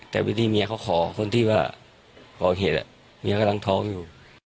แต่วิธีเมียเขาขอคนที่ว่าก่อเหตุเมียกำลังท้องอยู่